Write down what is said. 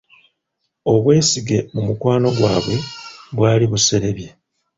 Obwesige mu mukwano gwabwe bwali buserebye.